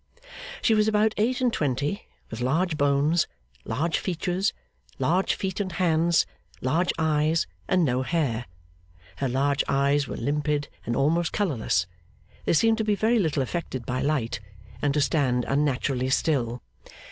She was about eight and twenty, with large bones, large features, large feet and hands, large eyes and no hair. Her large eyes were limpid and almost colourless; they seemed to be very little affected by light, and to stand unnaturally still.